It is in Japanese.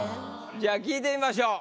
じゃあ聞いてみましょう。